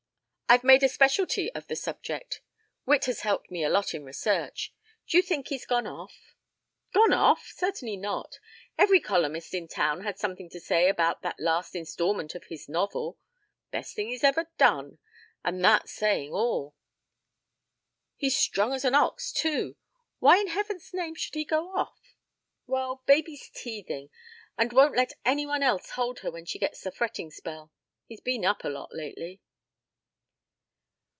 I've made a specialty of the subject. Witt has helped me a lot in research. D'you think he's gone off?" "Gone off? Certainly not. Every columnist in town had something to say about that last installment of his novel. Best thing he's ever done, and that's saying all. He's strong as an ox, too. Why in heaven's name should he go off?" "Well, baby's teething and won't let any one else hold her when she gets a fretting spell. He's been up a lot lately."